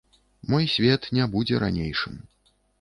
Мой свет не будзе ранейшым.